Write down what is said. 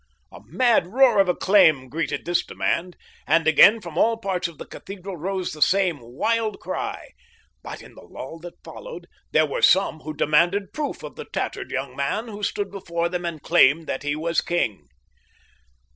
A mad roar of acclaim greeted this demand, and again from all parts of the cathedral rose the same wild cry. But in the lull that followed there were some who demanded proof of the tattered young man who stood before them and claimed that he was king.